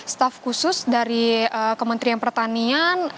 staf khusus dari kementerian pertanian